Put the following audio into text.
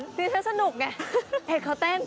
ที่นี่เธอสนุกไงเห็นเค้าเต้น